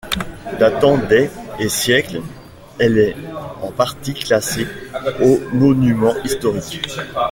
Datant des et siècles, elle est en partie classée aux monuments historiques.